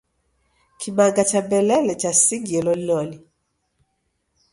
Kimanga cha mbelele chasingie loliloli.